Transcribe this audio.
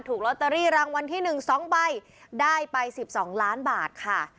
ถูกลอตเตอรี่รางวัลที่หนึ่งสองไปได้ไปสิบสองล้านบาทค่ะ